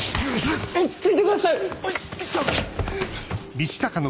落ち着いてください！